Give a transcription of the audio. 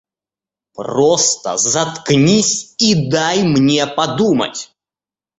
Просто заткнись и дай мне подумать!